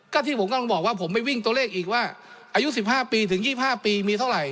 ก็ที่ผมก็บอกว่าผมไม่วิ่งตัวเลขอีกว่าอายุสิบห้าปีถึงยี่ห้าปีมีเท่าไหร่